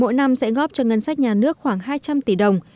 mỗi năm sẽ góp cho ngân sách nhà nước khoảng hai trăm linh tỷ đồng